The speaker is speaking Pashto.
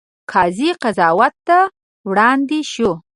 قاضي قضات ته وړاندې شوه.